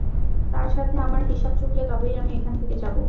তার সাথে আমার হিসাব চুকলে তবেই আমি এখান থেকে যাবো।